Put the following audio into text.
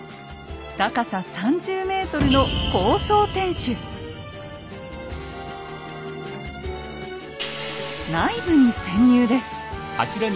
高さ３０ｍの内部に潜入です。